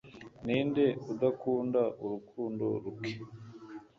Ninde udakunda urukundo ruke